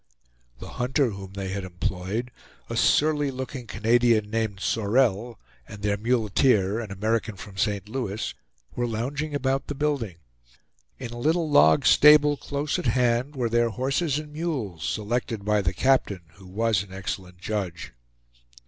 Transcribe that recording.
The hunter whom they had employed, a surly looking Canadian, named Sorel, and their muleteer, an American from St. Louis, were lounging about the building. In a little log stable close at hand were their horses and mules, selected by the captain, who was an excellent judge.